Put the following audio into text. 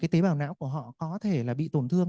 tế bào não của họ có thể là bị tổn thương